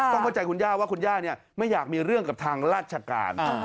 ต้องเข้าใจคุณย่าว่าคุณย่าไม่อยากมีเรื่องกับทางราชการ